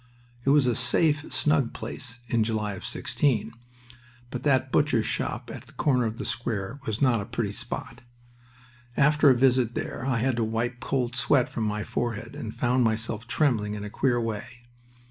It was a safe, snug place in July of '16, but that Butcher's Shop at a corner of the square was not a pretty spot. After a visit there I had to wipe cold sweat from my forehead, and found myself trembling in a queer way.